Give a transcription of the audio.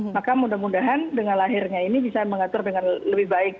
maka mudah mudahan dengan lahirnya ini bisa mengatur dengan lebih baik